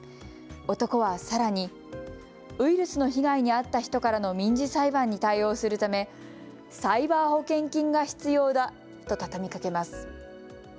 男はさらにウイルスの被害に遭った人からの民事裁判に対応するためサイバー保険金が必要だと畳みかけます。